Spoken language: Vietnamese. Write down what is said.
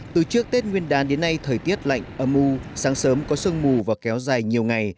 từ trước tết nguyên đán đến nay thời tiết lạnh âm mưu sáng sớm có sương mù và kéo dài nhiều ngày